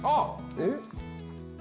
えっ？